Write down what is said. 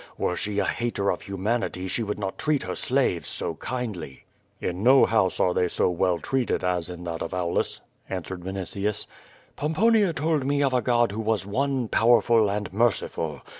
Were she a hater of humanity she would not treat her slaves so kindly." "In no house are they so well treated as in that of Aulus," added Vinitius. "Pomponia told me of a God who was one, powerful, and merciful.